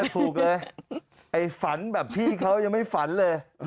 ถูกเลยไอ้ฝันแบบพี่เขายังไม่ฝันเลย